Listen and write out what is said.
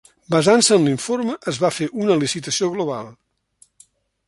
Basant-se en l'informe, es va fer una licitació global.